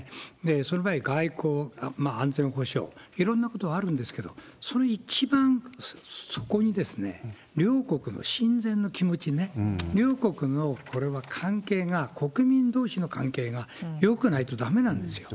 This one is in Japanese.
その場合、外交、安全保障、いろんなことはあるんですけど、それに一番、そこに両国の親善の気持ちね、両国の、これは関係が、国民どうしの関係がよくないとだめなんですよ。